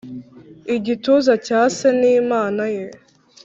igituza cya se n'imana ye.